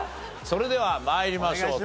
それでは参りましょう。